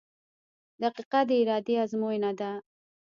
• دقیقه د ارادې ازموینه ده.